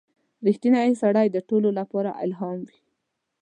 • رښتینی سړی د ټولو لپاره الهام وي.